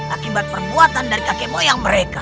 akibat perbuatan dari kakek moyang mereka